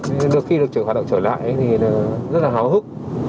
nên được khi được trở lại thì rất là hào hức